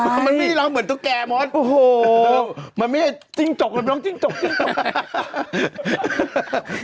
มันไม่ได้ร้องเหมือนทุกแกม้วมันไม่ได้จิ๊กจกมันร้องจิ๊กจกจิ๊กจก